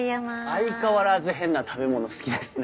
相変わらず変な食べ物好きですね。